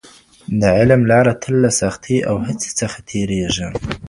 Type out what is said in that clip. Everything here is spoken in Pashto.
د علم لاره تل له سختۍ او هڅې څخه تېرېږي.